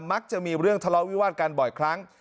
มักจะมีเรื่องทะเลาะวิวาดกันบ่อยครั้ง